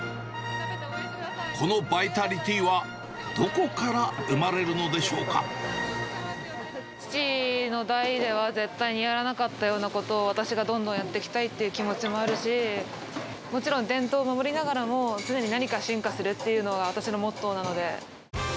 このバイタリティーはどこか父の代では、絶対にやらなかったようなことを、私がどんどんやっていきたいっていう気持ちもあるし、もちろん、伝統を守りながらも、常に何か進化するっていうのが、私のモットーなので。